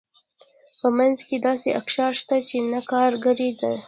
په منځ کې داسې اقشار شته چې نه کارګر دي.